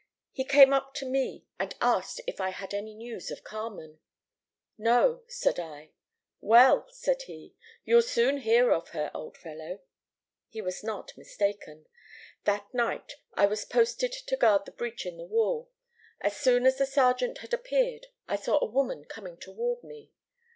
He came up to me, and asked if I had any news of Carmen. "'No,' said I. "'Well,' said he, 'you'll soon hear of her, old fellow.' "He was not mistaken. That night I was posted to guard the breach in the wall. As soon as the sergeant had disappeared I saw a woman coming toward me.